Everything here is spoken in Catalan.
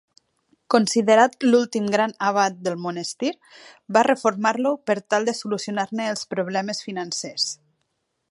Considerat l'últim gran abat del monestir, va reformar-lo per tal de solucionar-ne els problemes financers.